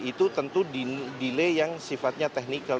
itu tentu delay yang sifatnya technical